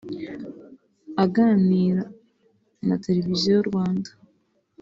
Aganina na Televiziyo Rwanda